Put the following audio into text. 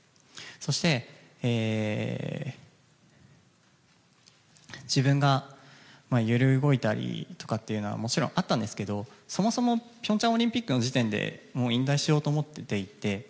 そして自分が揺れ動いたりとかはもちろん、あったんですがそもそも平昌オリンピックの時点で引退しようと思っていて。